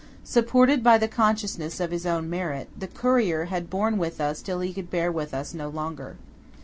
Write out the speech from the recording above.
Supported by the consciousness of his own merit, the courier had borne with us till he could bear with us no longer.